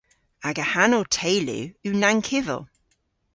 Aga hanow teylu yw Nankivell.